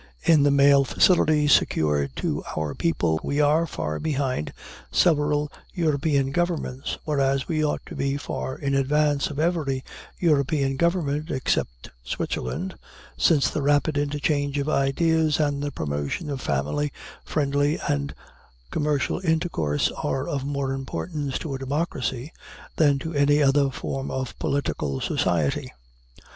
In the mail facilities secured to our people, we are far behind several European governments, whereas we ought to be far in advance of every European government except Switzerland, since the rapid interchange of ideas, and the promotion of family, friendly, and commercial intercourse, are of more importance to a democracy than to any other form of political society.